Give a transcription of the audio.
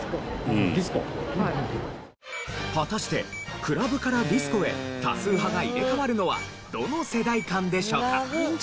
果たしてクラブからディスコへ多数派が入れ替わるのはどの世代間でしょうか？